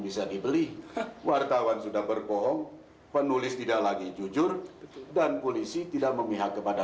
bisa dibeli wartawan sudah berbohong penulis tidak lagi jujur dan polisi tidak memihak kepada